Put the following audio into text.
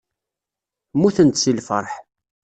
Mmutent seg lfeṛḥ.